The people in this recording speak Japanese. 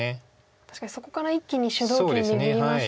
確かにそこから一気に主導権握りましたよね。